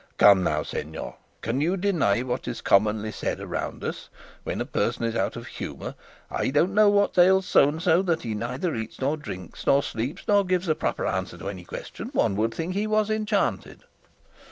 Come now, señor, can you deny what is commonly said around us, when a person is out of humour, 'I don't know what ails so and so, that he neither eats, nor drinks, nor sleeps, nor gives a proper answer to any question; one would think he was enchanted'?